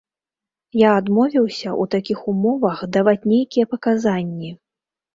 Я адмовіўся ў такіх умовах даваць нейкія паказанні.